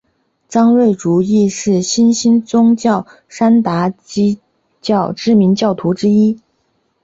张瑞竹亦是新兴宗教山达基教知名教徒之一。